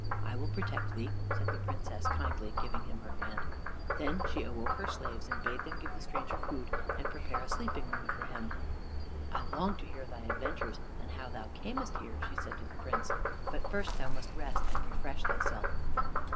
"I will protect thee," said the Princess kindly, giving him her hand. Then she awoke her slaves and bade them give the stranger food and prepare a sleeping room for him. "I long to hear thy adventures and how thou camest here," she said to the Prince, "but first thou must rest and refresh thyself."